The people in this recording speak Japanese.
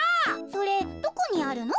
それどこにあるの？